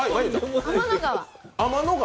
天の川。